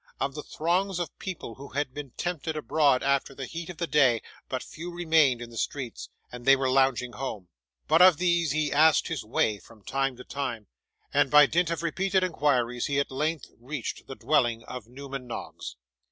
Of the throngs of people who had been tempted abroad after the heat of the day, but few remained in the streets, and they were lounging home. But of these he asked his way from time to time, and by dint of repeated inquiries, he at length reached the dwelling of Newman Noggs.